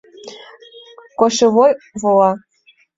Кошевой вола.